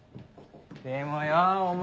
でもよお前